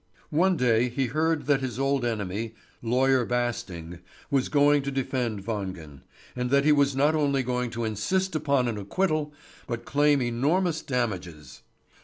One day he heard that his old enemy, Lawyer Basting, was going to defend Wangen, and that he was not only going to insist upon an acquittal, but claim enormous damages.